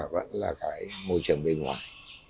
vẫn là môi trường bên ngoài